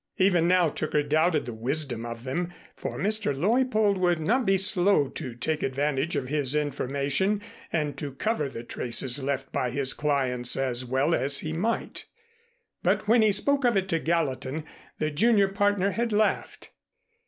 Even now Tooker doubted the wisdom of them, for Mr. Leuppold would not be slow to take advantage of his information and to cover the traces left by his clients as well as he might. But when he spoke of it to Gallatin, the junior partner had laughed.